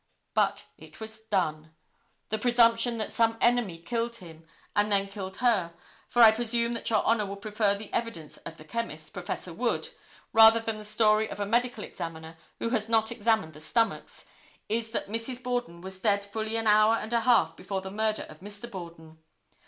But it was done. The presumption that some enemy killed him and then killed her, for I presume that Your Honor will prefer the evidence of the chemist, Prof. Wood, rather than the story of a Medical Examiner who has not examined the stomachs, is that Mrs. Borden was dead fully an hour and a half before the murder of Mr. Borden.